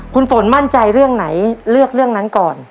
คุณฝนมั่นใจเรื่องไหนเลือกเรื่องนั้นก่อน